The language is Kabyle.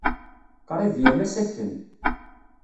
Qrib yal ass akken.